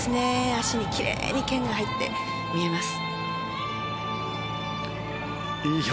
脚にきれいに腱が入って見えます。